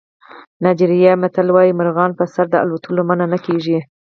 نایجریایي متل وایي مرغان په سر د الوتلو منع نه کېږي.